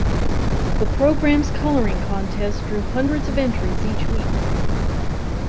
The program's coloring contest drew hundreds of entries each week.